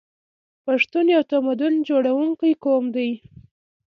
پښتون یو تمدن جوړونکی قوم دی.